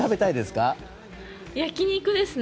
焼き肉ですね。